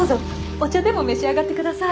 お茶でも召し上がってください。